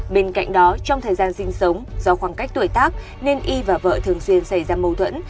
bên cạnh đó trong thời gian sinh sống do khoảng cách tuổi tác nên y và vợ thường xuyên xảy ra mâu thuẫn